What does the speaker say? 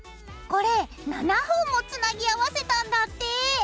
これ７本もつなぎ合わせたんだって。